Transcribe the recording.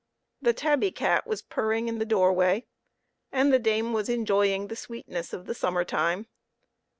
The tabby cat was purring in the door way, and the dame was enjoying the sweetness of the summer time.